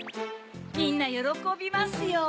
みんなよろこびますよ！